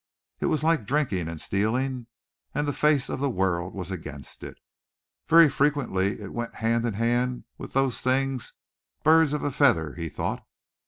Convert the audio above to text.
It was like drinking and stealing, and the face of the world was against it. Very frequently it went hand in hand with those things "birds of a feather" he thought.